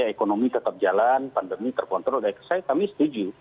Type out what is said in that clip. ekonomi tetap jalan pandemi terkontrol kami setuju